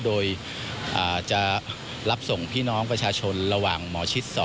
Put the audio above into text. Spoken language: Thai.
โดยจะรับส่งพี่น้องประชาชนระหว่างหมอชิด๒